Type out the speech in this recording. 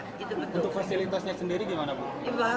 untuk fasilitasnya sendiri gimana bu